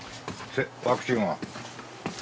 ワクチンは。